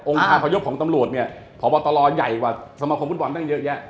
อพยพของตำรวจเนี่ยพบตรใหญ่กว่าสมาคมฟุตบอลตั้งเยอะแยะ